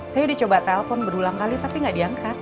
saya udah coba telepon berulang kali tapi gak diangkat